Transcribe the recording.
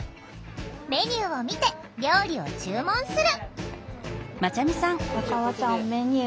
メニューを見て料理を注文する。